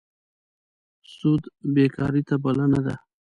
سود بېکارۍ ته بلنه ده.